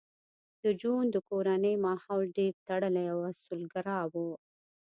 د جون د کورنۍ ماحول ډېر تړلی او اصولګرا و